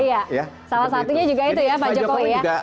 iya salah satunya juga itu ya pak jokowi ya